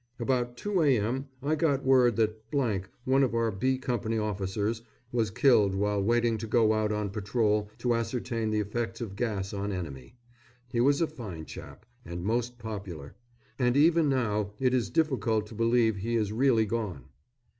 About 2 a.m. I got word that , one of our B Co. officers, was killed while waiting to go out on patrol to ascertain the effects of gas on enemy. He was a fine chap, and most popular, and even now it is difficult to believe he is really gone.